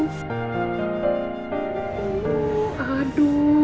tadi aku ikut papa meeting